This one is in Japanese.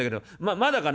まだかな？